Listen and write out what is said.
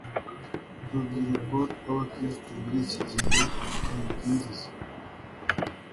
urubyiruko rw abakristo muri iki gihe umubwiriiiza